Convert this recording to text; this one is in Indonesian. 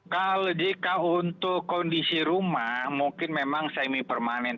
kalau jika untuk kondisi rumah mungkin memang semi permanen